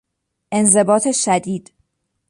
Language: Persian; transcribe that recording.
انضباط شدید